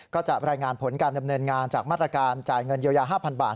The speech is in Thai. ก็จะรายงานผลการดำเนินงานจากมาตรการจ่ายเงินเยียวยา๕๐๐บาท